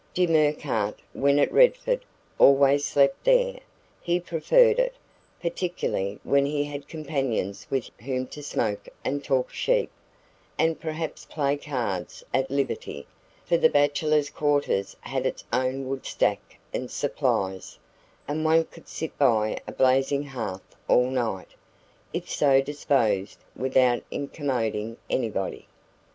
Jim Urquhart, when at Redford, always slept there; he preferred it, particularly when he had companions with whom to smoke and talk sheep, and perhaps play cards, at liberty; for the bachelors' quarters had its own wood stack and supplies, and one could sit by a blazing hearth all night, if so disposed, without incommoding anybody.